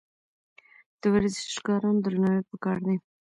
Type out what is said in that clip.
د ورزشکارانو درناوی پکار دی.